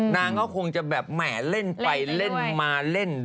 นางก็คงจะแบบแหมเล่นไปเล่นมาเล่น